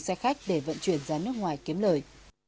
xe khách để vận chuyển ra nước ngoài kiếm lời